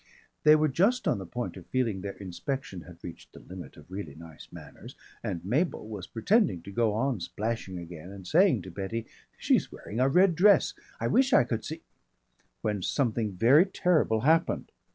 They were just on the point of feeling their inspection had reached the limit of really nice manners and Mabel was pretending to go on splashing again and saying to Betty, "She's wearing a red dress. I wish I could see " when something very terrible happened.